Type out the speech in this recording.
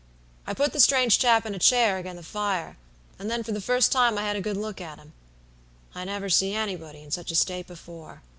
"I put the strange chap in a chair agen the fire, and then for the first time I had a good look at him. I never see anybody in such a state before.